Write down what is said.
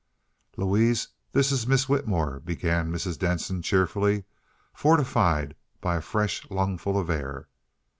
"Louise, this is Miss Whitmore," began Mrs. Denson, cheerfully, fortified by a fresh lungful of air.